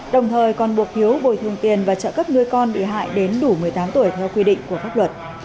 đồng thời còn buộc hiếu bồi thường tiền và trợ cấp nuôi con bị hại đến đủ một mươi tám tuổi theo quy định của pháp luật